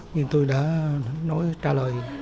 nhưng tôi đã nói trả lời